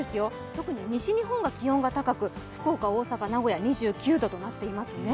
特に西日本が気温が高く福岡、大阪２９度となっていますね。